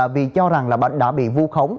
vì cho rằng đã bị vù khống